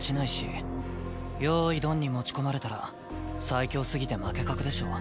「よーいドン」に持ち込まれたら最強すぎて負け確でしょ。